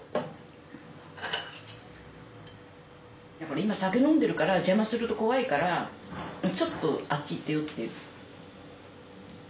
今酒飲んでるから邪魔すると怖いからちょっとあっち行ってよっていう。